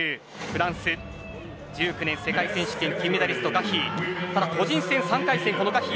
フランス１９年世界選手権金メダリストのガヒーです。